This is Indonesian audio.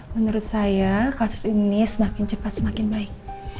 menurut saya kasus ini semakin cepat semakin baik